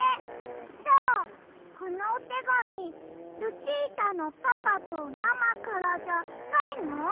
じゃあこのおてがみルチータのパパとママからじゃないの？